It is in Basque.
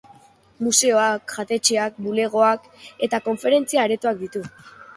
Museoak, jatetxeak, bulegoak eta konferentzia aretoak ditu.